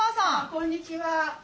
こんにちは。